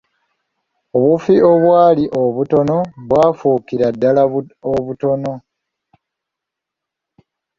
Obufi obwali obutono bwafuukira ddala obutono.